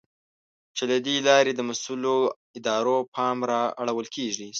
چې له دې لارې د مسؤلو ادارو پام را اړول کېږي.